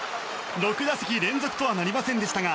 ６打席連続とはなりませんでしたが